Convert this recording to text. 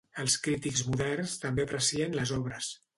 Els crítics moderns també aprecien les obres.